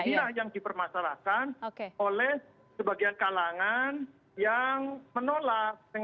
ini lah yang dipermasalahkan oleh sebagian kalangan yang menolak